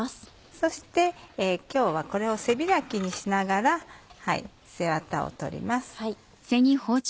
そして今日はこれを背開きにしながら背ワタを取ります。